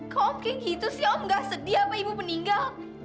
kok kayak gitu sih om gak sedih apa ibu meninggal